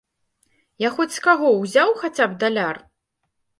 Я хоць з каго ўзяў хаця б даляр?